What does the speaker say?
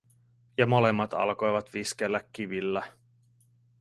Ja molemmat alkoivat viskellä kivillä.